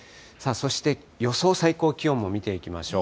そして、予想最高気温も見ていきましょう。